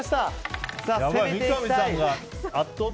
攻めていきたい。